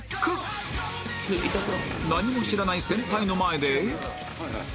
何も知らない先輩の前で